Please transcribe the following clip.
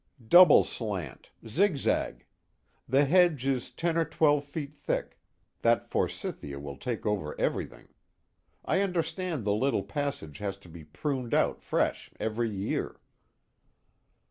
"Double slant, zigzag. The hedge is ten or twelve feet thick that forsythia will take over everything. I understand the little passage has to be pruned out fresh every year."